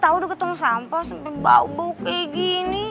tau udah ketemu sampah sampe bau bau kayak gini